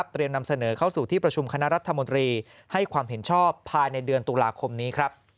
นำเสนอเข้าสู่ที่ประชุมคณะรัฐมนตรีให้ความเห็นชอบภายในเดือนตุลาคมนี้